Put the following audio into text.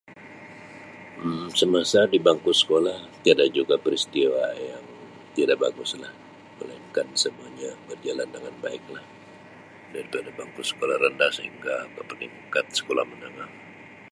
Um Semasa dibangku sekolah tiada juga peristiwa yang tidak baguslah melainkan semuanya berjalan dengan baiklah daripada bangku sekolah rendah sehingga ke peringkat sekolah menengah.